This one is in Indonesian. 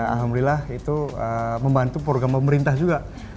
alhamdulillah itu membantu program pemerintah juga